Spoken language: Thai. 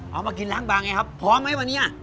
เอามากินล้างบางไงครับพร้อมไหมวันนี้